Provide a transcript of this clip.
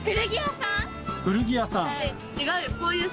古着屋さん？